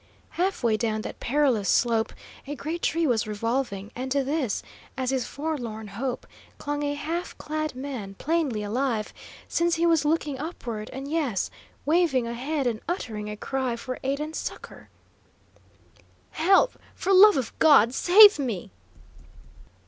Half way down that perilous slope a great tree was revolving, and to this, as his forlorn hope, clung a half clad man, plainly alive, since he was looking upward, and yes, waving a hand and uttering a cry for aid and succour. "Help! For love of God, save me!"